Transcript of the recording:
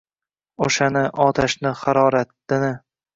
O’shani… otashni… haroratini…